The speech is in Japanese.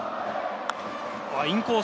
インコース。